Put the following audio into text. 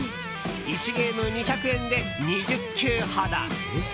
１ゲーム２００円で２０球ほど。